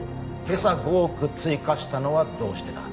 今朝５億追加したのはどうしてだ？